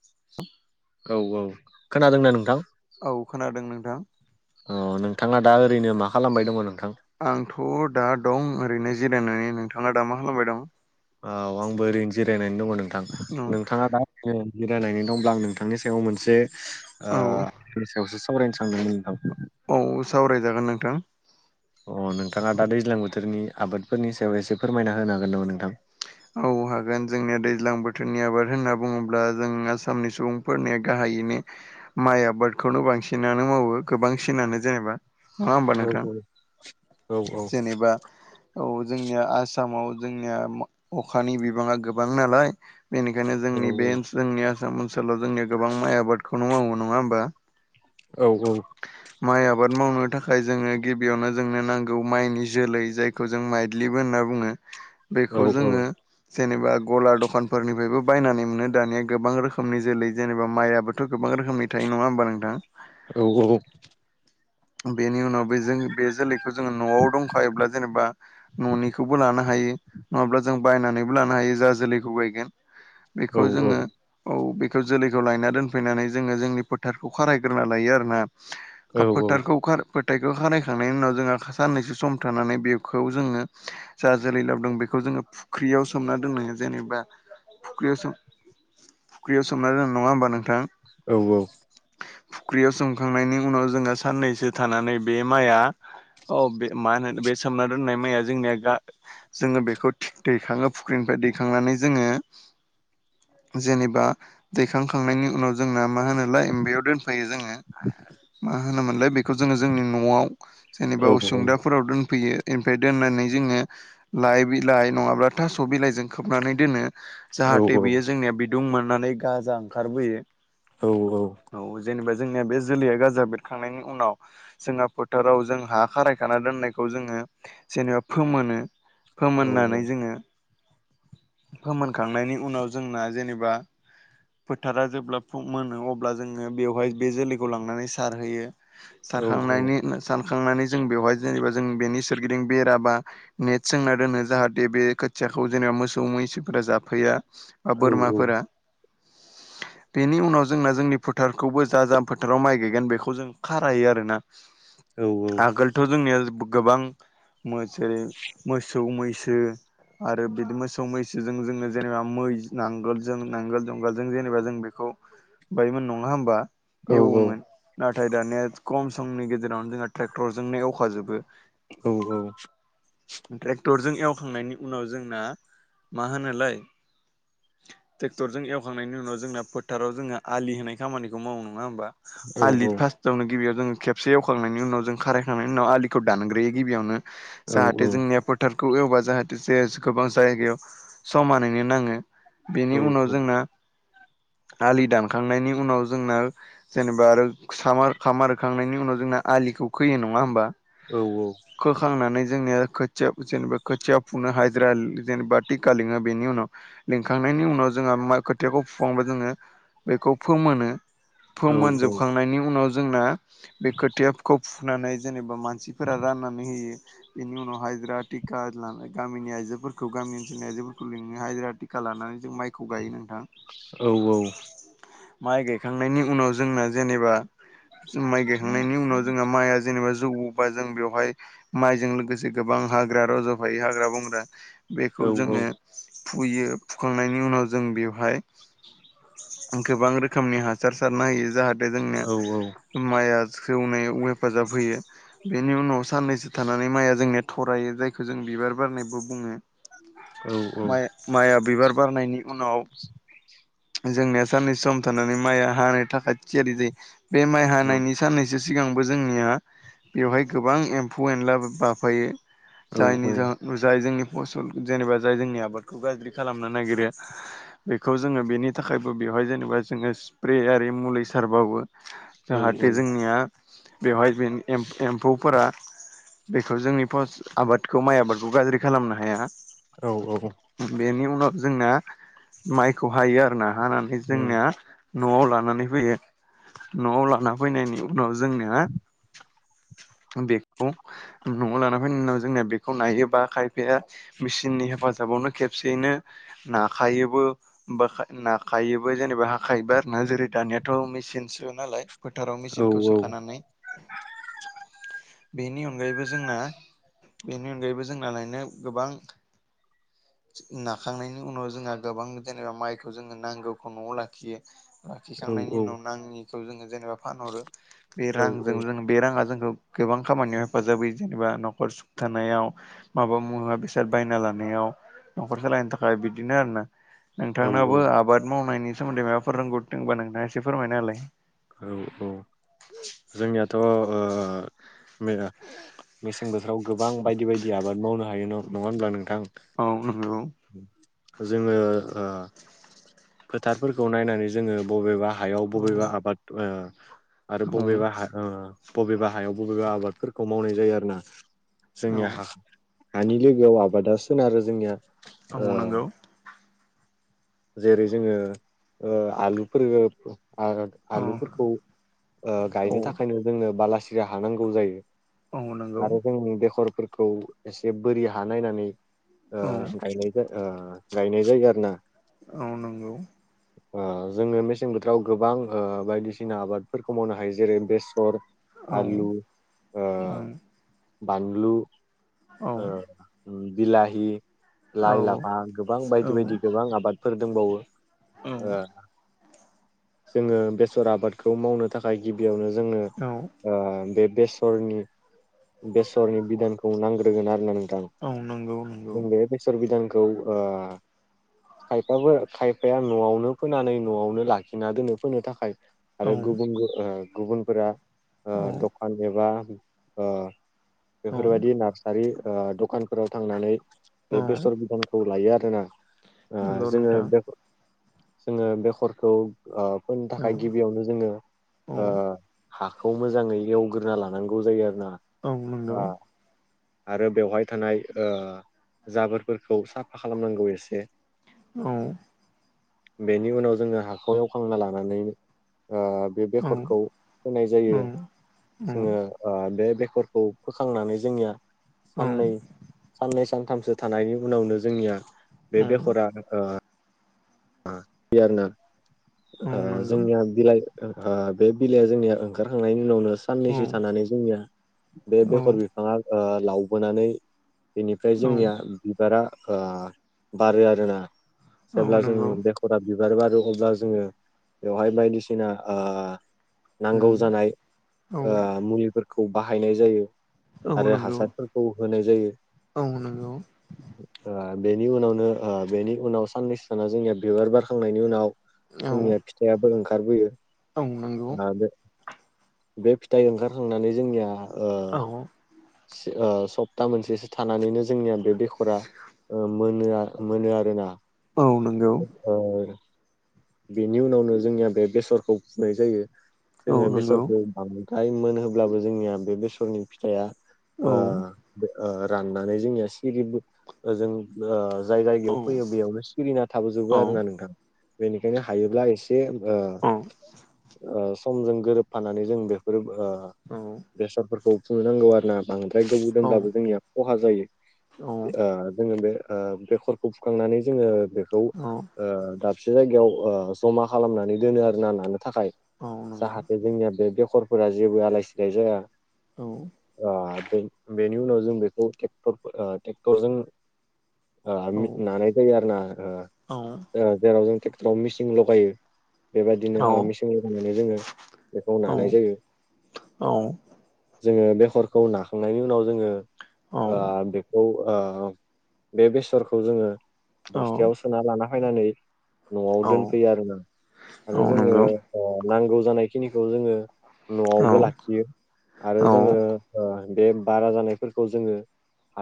[inaudible] औ औ खोनादोंना नोंथां? औ खोनादों नोंथां। अ नोंथाङा दा ओरैनो मा खालामबाय दङ नोंथां? आंथ' दा दं ओरैनो जिरायनानै। नोंथाङा दा मा खालामबाय दं? औ आंबो ओरैनो जिरायनानै दङ नोंथां औ नोंथाङा दा ए जिरायनायनि दंब्ला आं नोंथांनि सायाव मोनसे ओ सायावसो सावरायनो सानदोंमोन नोंथां। औ सावरायजागोन नोंथां। अ नोंथाङा दा दैज्लां बोथोरनि आबादफोरनि सायाव एसे फोरमायना होनो हागोन नामा नोंथां? औ हागोन जोंनिया दैज्लां बोथोरनि आबाद होनना बुङोब्ला जों आसामनि सुबुंफोरनि गाहायैनो माइ आबादखौनो बांसिनानो मावो गोबांसिनानो जेनेबा नङा होमबा औ नोंथां? औ औ जेनेबा औ जोंनिया आसामाव जोंनिया अखानि बिबाङा गोबां नालाय। बेनिखायनो औ जोंनि बे ओन जोंनि आसाम ओनसोलाव जोंनिया गोबां माइ आबादखौनो मावो नङा होमबा? औ औ। माइ आबाद मावनो थाखाय जोङो गिबियावनो जोंनो नांगौ माइनि जोलै जाय खौ जों माइग्लिबो होनना बुङो। [inaudible] बेखौ जोङो जेनेबा गला दखानफोरनिफ्रायबो बायनानै मोनो दानिया गोबां रोखोमनि जोलै जेनेबा माइआबो थ' गोबां रोखोमनि थायो नङा होमबा नोंथां? औ औ औ। बेनि उनाव बेजों बे जोलैखौ जोङो न'आव दंखायोब्ला जेनेबा न'निखौबो लानो हायो। नङाब्ला जों बायनानैबो लानो हायो जा जोलैखौ बायगोन बेखौ जोङो औ बेखौ जोलैखौ लायना दोनफैनानै जोङो जोंनि फोथारखौ खारायग्रोना लायो आरोना। [unintelligible] फोथायखौ खारानायखांनायनि उनाव जोंहा साननैसो सम थानानै बेखौ जोङो जा जोलै लाबदों बेखौ जोङो फुख्रियाव सोमना दोननाङो जेनेबा फुख्रियाव सोम फुख्रियाव सोमना दोनो नङा होमबा नोंथां? औ औ। फुख्रियाव सोमखांनायनि उनाव जोङो साननैसो थानानै बे माइआ औ बे मा होनो बे सोमना दोननाय माइया जोंनिया गा जोङो बेखौ थिख दैखाङो फुख्रिनिफ्राय दैखांनानै जोङो जेनेबा दैखांखांनायनि उनाव जोंना मा होनोलाय बेयाव दोनफायो जोङो। मा होनोमोनलाय बेखौ जोङो जोंनि न'आव जेनेबा उसुंदाफोराव दोनफैयो। ओनफाय दोननानै जोङो लाइ बिलाइ नङाब्ला थास' बिलाइजों खोबनानै दोनो। जाहाथे बियो जोंनिया बिदुं मोननानै गाजा ओंखारबोयो। औ औ। औ जेनेबा जोंनिया बे जोलैया गाजा बेरखांनायनि उनाव जोंहा फोथाराव जों हा खारायखाना दोननायखौ जोङो जेनेबा फोमोनो। फोमोननानै जोङो फोमोनखांनायनि उनाव जोंना जेनेबा‌ फोथारा जेब्ला मोनो अब्ला जोङो बेवहाय बे जोलैखौ लांनानै सार सारखांनायनि सानखांनानै जों बेवहाय जेनेबा जों बेनि सोरगिदिं बेराबा नेट सोंना दोनो जाहाथे बे खोथियाखौ जेनेबा मोसौ मैसोफोरा जाफैया। बोरमाफोरा बेनि उनाव जोंना जोंनि फोथारखौबो जा जा फोथाराव माइ गायगोन बेखौ खौ जों खारायो आरोना आगोलथ' जोंनिया गोबां मोसे मोसौ मैसो आरो बिदि मोसौ मैसोजों जोङो जेनेबा मै नांगोलजों नांगोल जुंगालजों जेनेबा जों बेखौ बायमोन नङा होमबा एबा एवोमोन। नाथाय दानिया खम समनि गेजेरावनो जोंहा ट्रेक्टरजोंनो एवखांजोबो। औ औ। ट्रेक्टरजों एवखांनायनि उनाव जोंना मा होनोलाय। ट्रेक्टरजों एवखांनायनि उनाव जोंना फोथाराव जोङो आलि होनाय खामानिखौ मावो नङाओमबा? औ औ आलि फार्टआवनो गिबियाव जोङो खेबसे एवखांनायनि उनाव जों खारायखांनायनि उनाव आलिखौ दानग्रोयो गिबियावनो औ जाहाथे जोंनिया टक्टारखौ एवबा जाहाथे जे गोबां जायगायाव समानैनो नाङो। औ बेनि उनाव जोंना आलि दानखांनायनि उनाव जोंना जेनेबा आरो सामार होखांनायनि उनाव जोंना आलिखौ खोयो नङा होमबा? औ औ खोखांनानै जोंनिया खोथिया जेनेबा खोथिया फुनो हाजिरा जेनेबा थिखा लङो बेनि उनाव लिंखांनायनि उनाव जोंहा मा खोथियाखौ फुखांबा जोङो बेखौ फोमोनो फोमोन जोबखांनायनि उनाव जोंना बे खोथियाखौ फुनानै जेनेबा मानसिफोरा राननानै होयो। बेनि उनाव हाइजिरा टिका लानाय गामिनि आइजोफोरखौ गामि ओनसोलनि आइजोफोरखौ लिंनो हाजिरा टि थिखा लानानै जों माइखौ गायो नोंथां। औ औ माइ गायखांनायनि उनाव जोंना जेनेबा माइ गायखांनायनि उनाव जोंहा माइआ जेनेबा जौ बा जों बेवहाय माइजों लोगोसे गोबां हाग्रा रज'फायो हाग्रा बंग्रा बेखौ जोङो फुयो फुखांनायनि उनाव जों बेवहाय गोबां रोखोमनि हासार सारना होयो जाहाथे औ जोंनिया माइआ जौनायाव हेफाजाब होयो। बेनि उनाव साननैसो थानानै माइया जोंनिया थरायो जायखौ जों बिबार बारनायबो बुङो। औ उम औ माइआ बिबार बारनायनि उनाव [inaudible] जोंनिया साननै सम थानानै माइआ हानाय थाखाय थियारि जायो बे माइ हानायनि साननैसो सिगांबो जोंनिया बेवहाय गोबां एम्फौ एनला बाफायो जायनि जाहो जाय जोंनि फसल जेनेबा जाय जोंनि आबादखौ गाज्रि खालामनो नागिरो बेखौ जोङो बेनि थाखायबो बेवहाय जेनेबा जोङो स्प्रे आरि मुलि सारबावो जाहाथे जोंनिया बेवहाय एम्फौफोरा बेखौ जोंनि फस आबादखौ माइ आबादखौ गाज्रि खालामनो हाया। औ औ बेनि उनाव जोंना माइखौ हायो आरोना हानानै जोंना न'आव लानानै फैयो न'आव लाना फैनायनि उनाव जोंना बे न'आव लाना फैनायनि उनाव जोंनिया बेखौ नायोबा खायफाया मेसिननि हेफाजाबावनो खेबसेयैनो नाखायोबो बा नाखायोबो जेनेबा हाखायोबा आरो ना जेरै दानियाथ' मेसिनसो नालाय फोथाराव मेसिनखौ सोखानानै बेनि अनगायैबो जोंना बेनि अनगायैबो जोंना लायनो गोबां नाखांनायनि उनाव जोंहा गोबां जेनेबा माइखौ जोङो नांगौखौ न'आव लाखियो लाखिखांनायनि उनाव नाङि जोङो जेनेबा फानहरो बे रांजों जों बे राङा जोंखौ गोबां खामानियाव हेफाजाब होयो जेनेबा न'खर सुथानायाव माबा मुवा बेसाद बायना लानायाव न'खर सालायनो थाखाय बिदिनो आरो ना। औ नोंथांनावबो आबाद मावनायनि सोमोन्दै मायबाफोर रोंगथि दोंबा नोंथाङा एसे फोरमायना होलाय। औ औ जोंनियाथ' ओ माया मेसें बोथोराव गोबां बायदि बायदि आबाद मावनो हायो ना नङा होनब्ला नोंथां। औ नोंगौ। जोङो फोथारफोरखौ नायनानै जोङो बबेबा हायाव औ बबेबा आबाद ओ आरो औ बबेबा हा ओ बबेबा हायाव बबेबा आबादफोरखौ मावनाय जायो आरो ना औ जोंनिया हा हानि लोगोआव आबादा सोनारो जोंनिया। ओ नांगौ- जेरै जोङो ओआलुफोर औ आलुफोरखौ ओ गायनो थाखायनो जोंनो बालासिरिया हानांगौ जायो। औ नंगौ आरो जोंङो बेसरफोरखौ एसे बोरि हा नायनानै ओ औ गायनाय ओ गायनाय जायो आरो ना। औ नंगौ। ओ जोङो मेसें बोथोराव गोबां बायदिसिना आबादफोरखौ मावनो हायो जेरै- बेसर औ आलु ओ- औ बानलु औ ओ बिलाहि लाइ- लाफा गोबां औ बायदि बायदि गोबां आबादफोर दंबावो ओ जोङो बेसर आबादखौ मावनो थाखाय गिबियावनो जोङनो औ बे बेसर बेसरनि बिधानखौ नांग्रोगोन आरो ना नोंथां। औ नंगौ नंगौ। जों बे बेसर बिधानखौ ओ खायफाफोर खायफाया न'आवनो फोनानै न'आवनो लाखिना दोनो फोनो थाखाय। औ आरो गुबुन गुबुनफोरा औ दखान एबाओ औ बेफोरबायदि नार्सारिओ दखानफोराव थांनानै औ बे बेसर बिदान खौ लायो आरोना ओ नंगौ जोङो नोंथां बेगरखौ ओ फनो औ थाखाय गिबियावनो जोङोओ औ हाखौ मोजाङै एवग्रोना लानांगौ जायो आरो औ नंगौ ना। आरो बेवहाय थानाय ओ जाबोरफोरखौ साफा खालामनांगौ एसे। औ बेनि उनाव जोङो हाखौ ऐवखांना लानानैओ बे औ बेसरखौ होनाय औ जायो। जोङोओ बे बेसरखौ फोखांनानै जोंनिया साननै साननै सानथामसो थानायनि उनावनो जोंनिया बे बेसराओ बे आरोनाओ नंगौ जोंनिया बिलाइ ओ बे बिलाइया जोंनिया ओंखारखांनायनि उनावनो साननैसो औ थानानै जोंनिया बे औ बेसर औ बिफाङा लावबोनानै बेनिफ्राय जोंनिया बिबारा बारो आरोना। औ नंगौ। बेसरा बिबार बारो अब्ला जोङो बेवहाय बायदिसिनाओ औ नांगौ जानाय मुलिफोरखौ बाहायनाय जायो। आरो नंगौ हासारफोरखौ होनाय जायो। औ नंगौ औ ओ बेनि उनावनो बेनि उनाव साननैसो थाना जोंनिया बिबार बारखांनायनि उनाव जोंनिया फिथाइयाबो ओंखारबोयो। औ नंगौ बे फिथाइ ओंखारखांनानै जोंनियाओ आरो [unintelligible] सप्ता मोनसेसो थानानैनो जोंनिया बे बेसरा मोनो मोनो आरो ना। औ नंगौ। ओ बेनि उनावनो जोंनिया बे बेसरखौ फुनाय जायो। औ जोङो नंगौ बेसरखौ बांद्राय मोन होब्लाबो जोंनिया बे बेसरनि फिथाइआ औ ओ राननानै जोंनिया सिरिबो यो जाय औ जायगायाव फैयो बेयावनो सिरिना औ थाबोजोबो आरोना औ नोंथां। बेनिखायनो हायोब्ला एसे ओ समजों गोरोबफानानै जों बेफोरोओ औ। बेसादफोरखौ फुनांगौ आरो ना [unintelligible] गोबाव दोनब्लाबो जोंनिया खहा जायो। औ जोङो बे ओ बेखरखौ फुखांनानै जोङो बेखौ औ औ [unintelligible] दाबसे जायगायाव ओ जमा खालामनानै दोनो आरो ना नानो थाखाय औ नंगौ जाहाथे जोंनिया बे बेखर -फोरा जेबो आलाय सिलाय जाया। औ। ओ बेनि उनाव जों बेखौ ट्रेक्टर - ट्रेक्टरजों ओ औ आ नानाय जायोना आरो ना ओ औ। जेराव जों ट्रेक्टराव मेसिन लगायो बेबायदिनो औ [unintelligible] [unintelligible] जोङो बेखौ औ नानाय जायो। जोङो बेखरखौ नाखांनायनि उनाव जोङो औ ओ बे बेसरखौ जोङो औ बस्थायाव सोना लाना फैनानै न'आव औ दोनफैयो आरोना औ आरो जोङो नंगौ नांगौ जानाय खिनिखौ जोङो औ न'आवबो लाखियो आरो औ जोङो ओ बे बारा जानायफोरखौ जोङो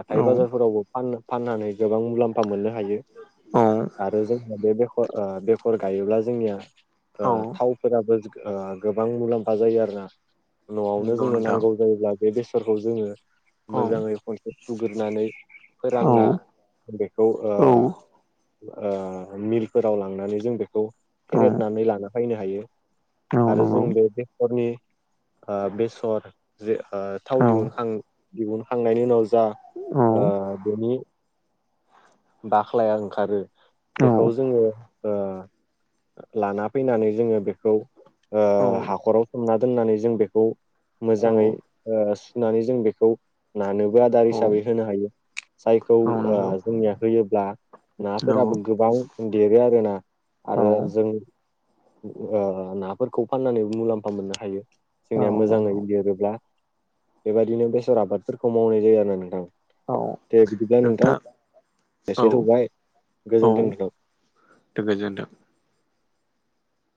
हाथाय बाजारफोरावबो फाननानै गोबां मुलाम्फा मोनो। [unintelligible] आरो जोंनिया बे -बेखर गायोब्ला जोंनिया ओ औ थावफोराबो गोबां मुलाम्फा जायो आरोना। न'आवनो नंगौ जोङो नोंथां नांगौ जायोब्ला बे बेसरखौ जोङो औ मोजाङै खनसे सुगोरनानै फोरानना औ बेखौ ओ औ ओ मिलफोराव लांनानै जों बेखौ औ फेरदनानै लाना फैनो हायो। आरो जों नंगौ बे बेसरनि ओ बेसर जे ओ थाव औ औ दिहुखां दिहुनखांनायनि उनाव जा औ ओ बेनि बाख्लाया ओंखारो। बेखौ जोङो ओ लाना फैनानै जोङो बेखौ ओ औ हाखराव सोमना दोननानै जों बेखौ मोजाङै औ ओ सुनानै जों बेखौ नानोबो आदार हिसाबै औ होनो हायो जायखौ औ ओ नंगौ जोंनिया होयोब्ला नंगौ नाफोराबो गोबां देरो आरोना आरो औ जों ओ नाफोरखौ फाननानै मुलाम्फा मोननो हायो। जोंनिया औ मोजाङै नंगौ देरोब्ला बेबायदिनो बेसर आबादफोरखौ मावनाय जायो आरोना नोंथां। औ दे बिदिब्ला नोंथां औ एसे थौबाय औ। गोजोन्थों नोंथां [unintelligible]